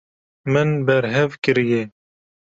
Min berhev kiriye.